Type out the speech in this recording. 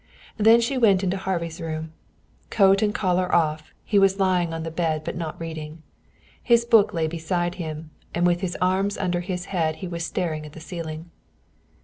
Then she went into Harvey's room. Coat and collar off, he was lying on the bed, but not reading. His book lay beside him, and with his arms under his head he was staring at the ceiling.